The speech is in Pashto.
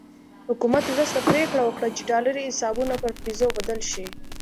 حکومت وروسته پرېکړه وکړه چې ډالري حسابونه پر پیزو بدل شي.